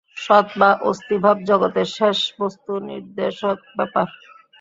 সৎ বা অস্তিভাব জগতের শেষ বস্তুনির্দেশক ব্যাপার।